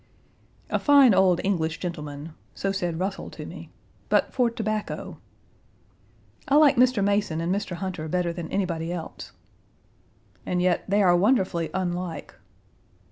"A fine old English gentleman," so said Russell to me, "but for tobacco." "I like Mr. Mason and Mr. Hunter better than anybody else." "And yet they are wonderfully unlike."